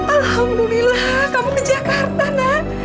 alhamdulillah kamu ke jakarta nak